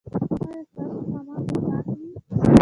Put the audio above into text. ایا ستاسو حمام به پاک وي؟